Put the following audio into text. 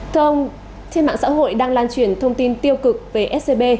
thưa ông trên mạng xã hội đang lan truyền thông tin tiêu cực về scb